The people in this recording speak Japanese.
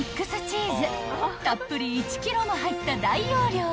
［たっぷり１ｋｇも入った大容量］